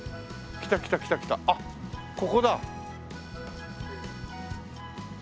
あっここだ。